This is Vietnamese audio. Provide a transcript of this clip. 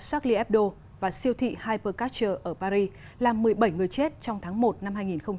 charlie hebdo và siêu thị hypercatcher ở paris làm một mươi bảy người chết trong tháng một năm hai nghìn một mươi năm